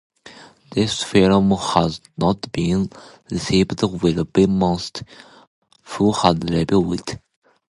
This film has not been received well by most who have viewed it.